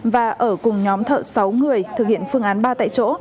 và ở cùng nhóm thợ sáu người thực hiện phương án ba tại chỗ